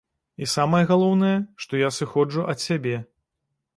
І самае галоўнае, што я сыходжу ад сябе.